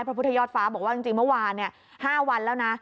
พระพุทธยอดฟ้าบอกว่าจริงเมื่อวาน๕วันแล้วนะ